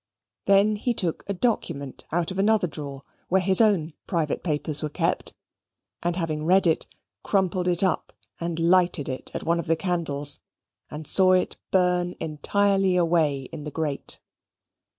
Then he took a document out of another drawer, where his own private papers were kept; and having read it, crumpled it up and lighted it at one of the candles, and saw it burn entirely away in the grate.